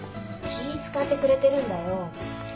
気ぃ遣ってくれてるんだよ。